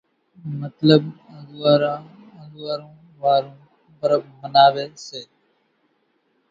مطلٻ انزوئارا وارون پرٻ مناوي سي۔